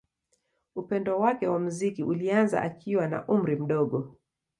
Upendo wake wa muziki ulianza akiwa na umri mdogo.